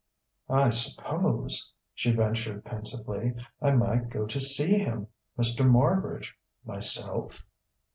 "I suppose," she ventured pensively, "I might go to see him Mr. Marbridge myself